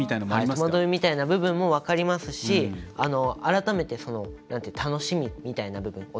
戸惑いみたいな部分も分かりますし改めて楽しみみたいな部分。